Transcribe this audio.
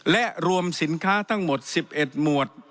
และรวมสินค้าทั้งหมด๑๑หมวด